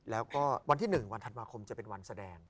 แล้วก็วันที่๑วันธันวาคมจะเป็นวันแสดง